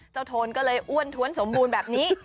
โทนก็เลยอ้วนท้วนสมบูรณ์แบบนี้